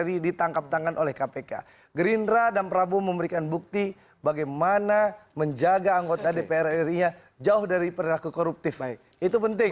dpr ri ditangkap tangan oleh kpk gerindra dan prabowo memberikan bukti bagaimana menjaga anggota dpr ri nya jauh dari perilaku koruptif itu penting